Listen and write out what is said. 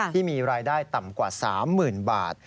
ที่มีรายได้ต่ำกว่า๓๐๐๐บาท